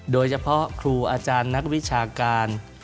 โดยเฉพาะครูอาจารย์นักวิชาการ